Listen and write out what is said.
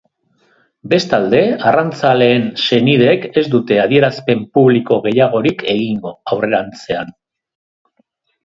Bestalde, arrantzaleen senideek ez dute adierazpen publiko gehiagorik egingo aurrerantzean.